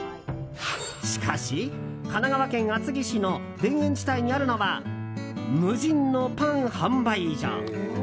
しかし、神奈川県厚木市の田園地帯にあるのは無人のパン販売所。